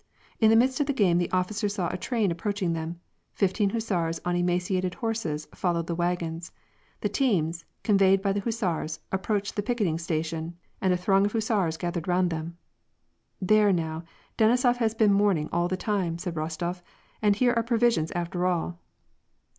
In the midst of the game the officers saw a train approaching them : fifteen hussars on emaciated horses followed the wagons. The teams, convoyed by the hussars, approached the picketing station, and a throng of hussars gathered round them. " There now, Denisof has been mourning all the time," said Rostof, " and here are provisions after all